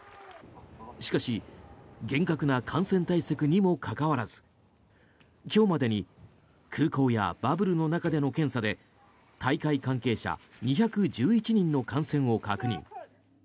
しかし厳格な感染対策にもかかわらず今日までに空港やバブルの中での検査で大会関係者２１１人の感染を確認。